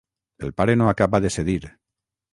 El pare no acaba de cedir.